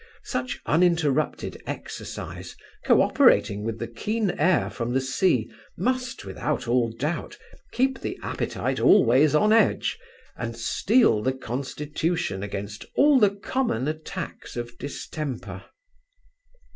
Such uninterrupted exercise, co operating with the keen air from the sea, must, without all doubt, keep the appetite always on edge, and steel the constitution against all the common attacks of distemper.